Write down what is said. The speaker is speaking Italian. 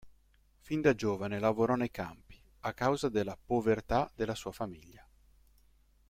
Fin da giovane lavorò nei campi, a causa della povertà della sua famiglia.